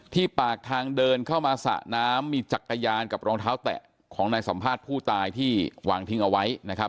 ปากทางเดินเข้ามาสระน้ำมีจักรยานกับรองเท้าแตะของนายสัมภาษณ์ผู้ตายที่วางทิ้งเอาไว้นะครับ